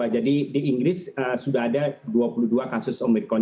jadi di inggris sudah ada dua puluh dua kasus omicron